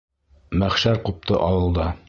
Мәхшәр ҡупты ауылда.